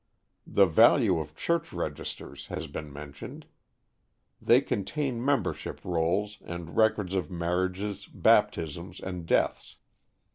The value of church registers has been mentioned. They contain membership rolls, and records of marriages, baptisms and deaths.